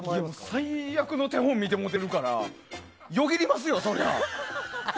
最悪の手本を見てもうてるからよぎりますよ、そりゃ。